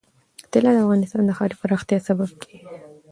طلا د افغانستان د ښاري پراختیا سبب کېږي.